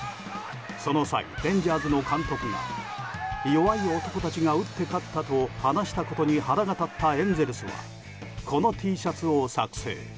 その際、レンジャーズの監督が弱い男たちが打って勝ったと話したことに腹が立ったエンゼルスはこのＴシャツを作成。